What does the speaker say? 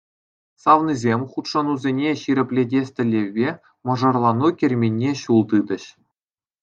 Савнисем хутшӑнусене ҫирӗплетес тӗллевпе мӑшӑрланну керменне ҫул тытӗҫ.